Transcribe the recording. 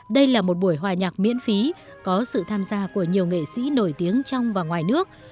đây là một buổi hòa nhạc miễn phí có sự tham gia của nhiều nghệ sĩ nổi tiếng trong và ngoài nước